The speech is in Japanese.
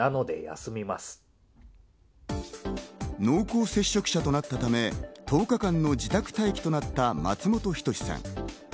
濃厚接触者となったため１０日間の自宅待機となった松本人志さん。